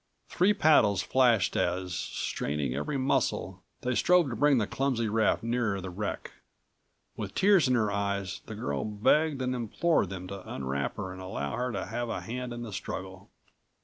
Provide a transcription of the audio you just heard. Three paddles flashed as, straining every muscle, they strove to bring the clumsy raft nearer the wreck. With tears in her eyes, the girl begged and implored them to unwrap her and allow her to have a hand in the struggle.